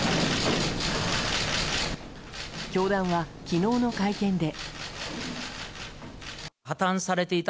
教団は昨日の会見で。